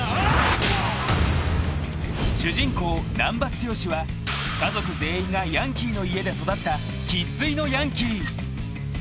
［主人公難破剛は家族全員がヤンキーの家で育った生粋のヤンキー］